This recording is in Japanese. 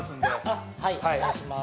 あっはいお願いします。